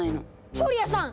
フォリアさん！